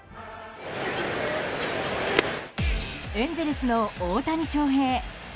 エンゼルスの大谷翔平。